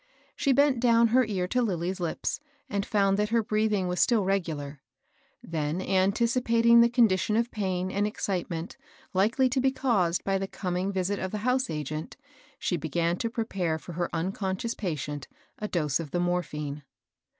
She bent down her ear to Lilly's lips, and found that her breathing was still regular. Then, anticipating the condition of pain and excitement likely to be caused by the comipg visit of the house ageut^^^^Sk 828 MABEL ROSS began to prepare for her unconscious patient a dose of the morphine.